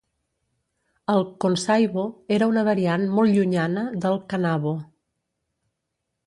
El 'konsaibo' era una variant molt llunyana del 'kanabo'.